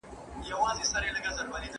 ¬ هر بنده، خپل ئې عمل.